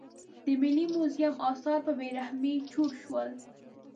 د ملي موزیم اثار په بې رحمۍ چور شول.